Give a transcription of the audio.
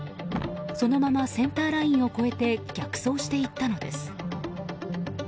そのままセンターラインを越えて逆走していったのです。